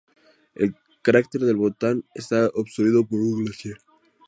El cráter del volcán está obstruido por un glaciar.